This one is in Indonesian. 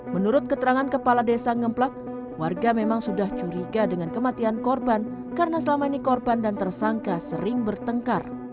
menurut keterangan kepala desa ngemplak warga memang sudah curiga dengan kematian korban karena selama ini korban dan tersangka sering bertengkar